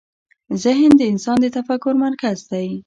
ذهن د انسان د تفکر مرکز دی.